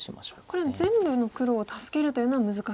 これは全部の黒を助けるというのは難しいんですか。